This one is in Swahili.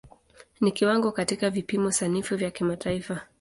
Ni kiwango katika vipimo sanifu vya kimataifa.